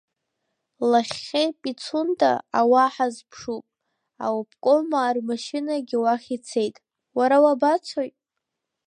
Лахьхьи, Пицунда, ауаа ҳазԥшуп, аобкомаа рмашьынагьы уахь ицеит, уара уабацои?